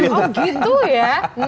oh gitu ya